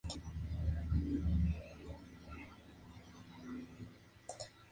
Su carrera comenzó como periodista para un periódico en Buenos Aires, Argentina.